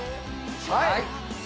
はい？